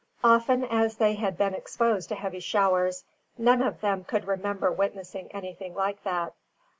Often as they had been exposed to heavy showers, none of them could remember witnessing anything like that.